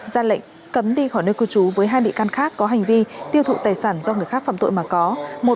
ra lệnh cấm đi khỏi nơi cư trú với hai bị can khác có hành vi tiêu thụ tài sản do người khác phạm tội mà có